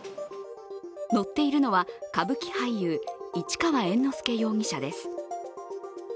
乗っているのは、歌舞伎俳優市川猿之助容疑者です。